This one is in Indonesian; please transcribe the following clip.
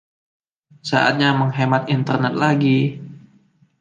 Saatnya menghemat internet - lagi.